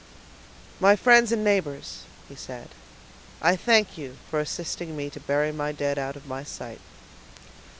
"My friends and neighbors," he said, "I thank you for assisting me to bury my dead out of my sight."